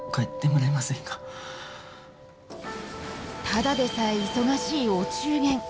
ただでさえ忙しいお中元。